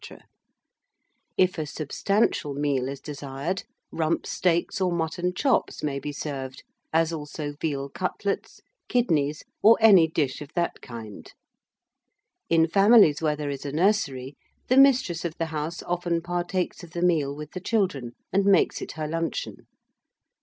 If a substantial meal is desired, rump steaks or mutton chops may he served, as also veal cutlets, kidneys, or any dish of that kind. In families where there is a nursery, the mistress of the house often partakes of the meal with the children, and makes it her luncheon.